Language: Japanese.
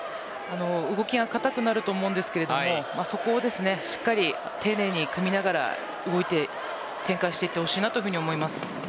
動きが硬くなると思いますがそこをしっかり丁寧に組みながら動いて展開していってほしいです。